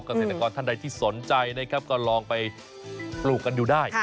การเศรษฐกรท่านใดที่สนใจก็ลองไปปลูกกันดูได้